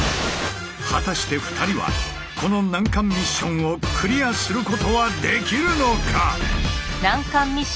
果たして２人はこの難関ミッションをクリアすることはできるのか⁉